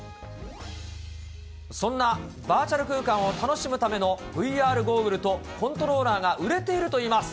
そんなバーチャル空間を楽しむためのＶＲゴーグルとコントローラーが売れているといいます。